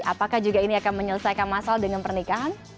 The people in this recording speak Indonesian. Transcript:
apakah juga ini akan menyelesaikan masalah dengan pernikahan